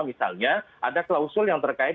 misalnya ada klausul yang terkait